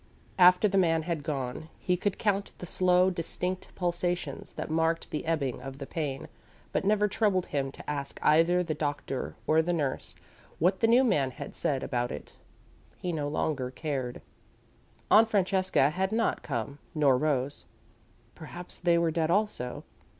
After the man had gone, he could count the slow, distinct pulsations that marked the ebbing of the pain, but never troubled himself to ask either the doctor or the nurse what the new man had said about it. He no longer cared. Aunt Francesca had not come nor Rose. Perhaps they were dead, also.